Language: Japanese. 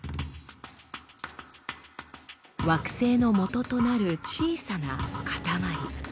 惑星のもととなる小さなかたまり。